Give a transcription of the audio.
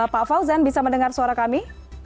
pak fauzan bisa mendengar suara kami